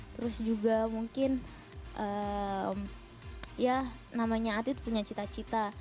terus juga mungkin ya namanya atlet punya cita cita